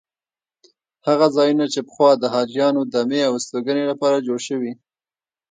هغه ځایونه چې پخوا د حاجیانو دمې او استوګنې لپاره جوړ شوي.